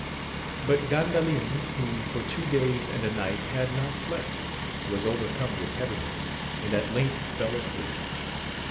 But Gandalin, who for two days and a night had not slept, was overcome with heaviness, and at length fell asleep.